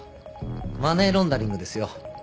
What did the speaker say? マネーロンダリングですよ。